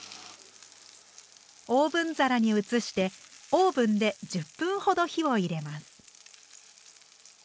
オーブン皿に移してオーブンで１０分ほど火を入れます。